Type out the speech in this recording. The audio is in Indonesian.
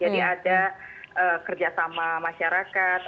jadi ada kerjasama masyarakat